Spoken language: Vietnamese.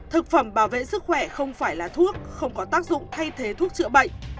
thực phẩm bảo vệ sức khỏe không phải là thuốc không có tác dụng thay thế thuốc chữa bệnh